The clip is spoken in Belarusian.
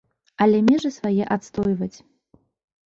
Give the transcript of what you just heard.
Але межы свае адстойваць.